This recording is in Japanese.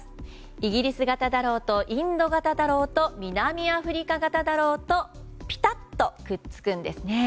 イギリス型だろうとインド型だろうと南アフリカ型だろうとピタッとくっつくんですね。